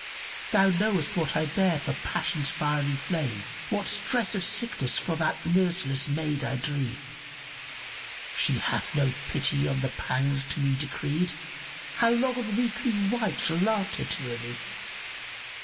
Thou knowest what I bear for passion's fiery flame; * What stress of sickness for that merciless maid I dree. She hath no pity on the pangs to me decreed; * How long on weakly wight shall last her tyranny?